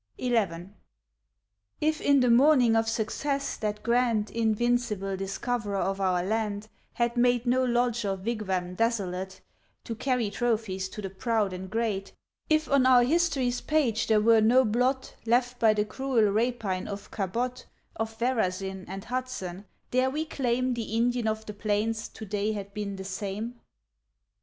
XI. If, in the morning of success, that grand Invincible discoverer of our land Had made no lodge or wigwam desolate To carry trophies to the proud and great; If on our history's page there were no blot Left by the cruel rapine of Cabot, Of Verrazin, and Hudson, dare we claim The Indian of the plains, to day had been the same?